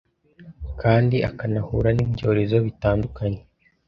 Kandi akanahura nibyorezo bitandukanye